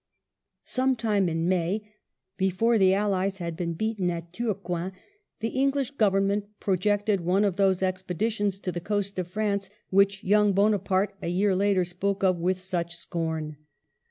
Sometime in May, probably before the Allies had been beaten at Turcoing, the English Government pro jected one of those expeditions to the coast of France which young Bonaparte, a year later, spoke of with such scorn.